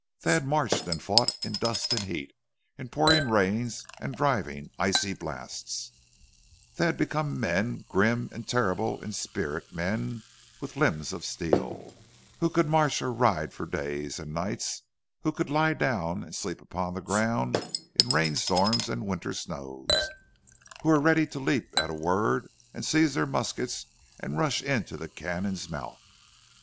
They had marched and fought in dust and heat, in pouring rains and driving, icy blasts; they had become men grim and terrible in spirit men with limbs of steel, who could march or ride for days and nights, who could lie down and sleep upon the ground in rain storms and winter snows, who were ready to leap at a word and seize their muskets and rush into the cannon's mouth.